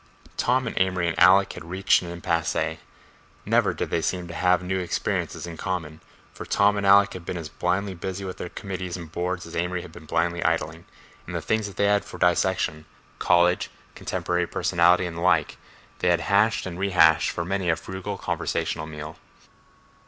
Tom and Amory and Alec had reached an impasse; never did they seem to have new experiences in common, for Tom and Alec had been as blindly busy with their committees and boards as Amory had been blindly idling, and the things they had for dissection—college, contemporary personality and the like—they had hashed and rehashed for many a frugal conversational meal.